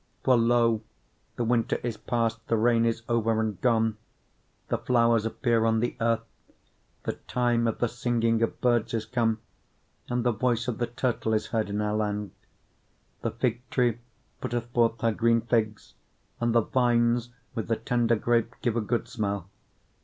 2:11 For, lo, the winter is past, the rain is over and gone; 2:12 The flowers appear on the earth; the time of the singing of birds is come, and the voice of the turtle is heard in our land; 2:13 The fig tree putteth forth her green figs, and the vines with the tender grape give a good smell.